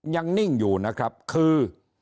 นิ่งอยู่นะครับคือ